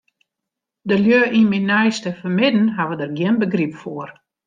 De lju yn myn neiste fermidden hawwe dêr gjin begryp foar.